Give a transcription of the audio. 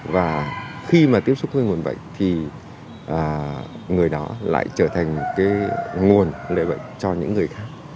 và khi mà tiếp xúc với nguồn bệnh thì người đó lại trở thành nguồn lệ bệnh cho những người khác